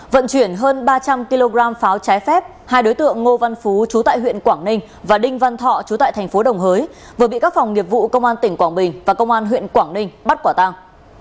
vận chuyển hơn ba trăm linh kg pháo trái phép hai đối tượng ngô văn phú trú tại huyện quảng ninh và đinh văn thọ chú tại thành phố đồng hới vừa bị các phòng nghiệp vụ công an tỉnh quảng bình và công an huyện quảng ninh bắt quả tàng